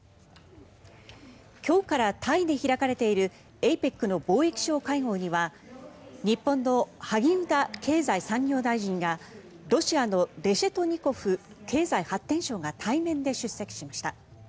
今日からタイで開かれているＡＰＥＣの貿易相会合は日本の萩生田経済産業大臣やロシアのレシェトニコフ経済発展相が対面で出席しました。